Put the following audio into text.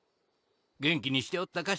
元気にしておったか？